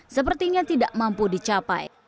sepertinya tidak mampu dicapai